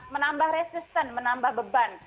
menambah resisten menambah beban